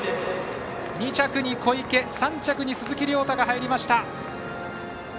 ２着に小池３着に鈴木涼太が入りました。